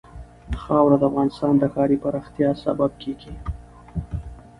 خاوره د افغانستان د ښاري پراختیا سبب کېږي.